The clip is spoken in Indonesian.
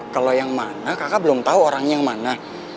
kalau yang mana kakak belum tahu orangnya yang mana